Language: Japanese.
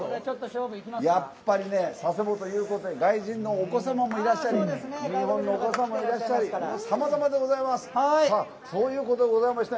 やっぱり、佐世保ということで外国人のお子様もいらっしゃり日本のお子様もいらっしゃりさまざまでございます。